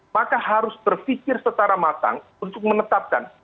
maka harus berpikir secara matang untuk menetapkan